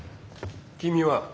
君は？